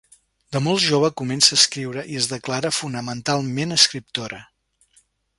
De molt jove comença a escriure i es declara fonamentalment escriptora.